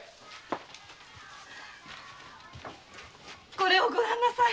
これをご覧なさい。